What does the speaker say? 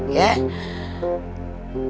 tuh tuh tuh tuh ya